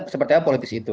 seperti apa politis itu